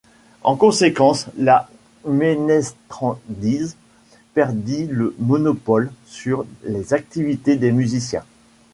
En conséquence, la Ménestrandise perdit le monopole sur les activités des musiciens.